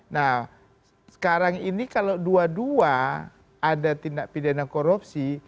nah sekarang ini kalau dua dua ada tindak pidana korupsi